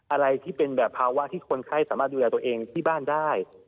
อะไรที่เป็นแบบภาวะที่คนไข้สามารถดูแลตัวเองที่บ้านได้